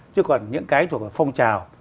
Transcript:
chứ còn những cái thuộc về phong trào